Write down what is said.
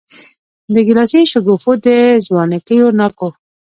د ګیلاسي شګوفو د ځوانکیو ناکو